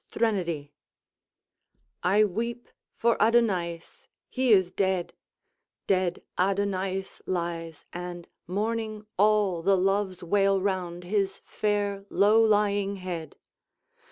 THRENODY I weep for Adonaïs he is dead! Dead Adonaïs lies, and mourning all, The Loves wail round his fair, low lying head.